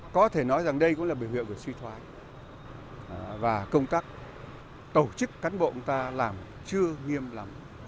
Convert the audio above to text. có thể nói rằng đây cũng là biểu hiện của suy thoái và công tác tổ chức cán bộ chúng ta làm chưa nghiêm lắm